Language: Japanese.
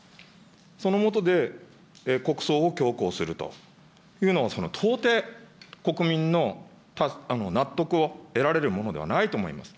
そのもとで国葬を強行するというのを、到底、国民の納得を得られるものではないと思います。